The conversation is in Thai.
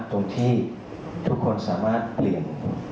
ตรงที่ทุกคนสามารถเปลี่ยน